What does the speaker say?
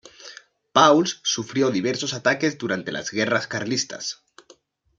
Pauls sufrió diversos ataques durante las guerras carlistas.